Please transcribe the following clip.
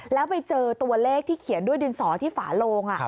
แล้วไปเจอตัวเลขที่เขียนด้วยดินสอที่ฝาโลง